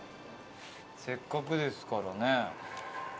せっかくですからね。